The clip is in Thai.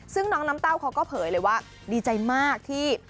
ซึ่งน้องน้ำเต้าเขาก็เผยเลยว่าดีใจมากที่